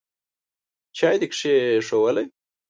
چای دي کښېښوولې ؟